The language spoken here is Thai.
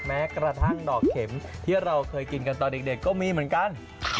แม้กระทั่งดอกเข็มที่เราเคยกินกันตอนเด็กก็มีเหมือนกัน